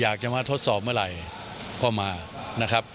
อยากจะมาทดสอบเมื่อไหร่ก็มานะครับ